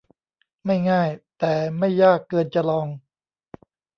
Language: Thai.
ไม่ง่าย แต่ไม่ยากเกินจะลอง !